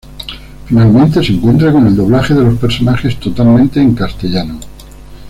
Finalmente se encuentra con el doblaje de los personajes, totalmente en castellano.